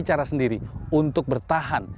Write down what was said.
cara sendiri untuk bertahan